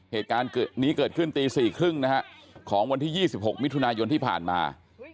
เหตุการณ์นี้เกิดขึ้นตี๔๓๐นะฮะของวันที่๒๖มิถุนายนที่ผ่านมา